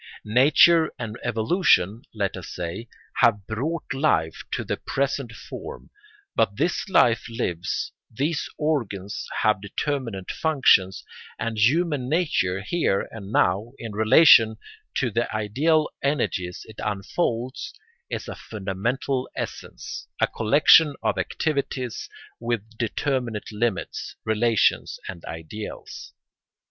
Nature and evolution, let us say, have brought life to the present form; but this life lives, these organs have determinate functions, and human nature, here and now, in relation to the ideal energies it unfolds, is a fundamental essence, a collection of activities with determinate limits, relations, and ideals.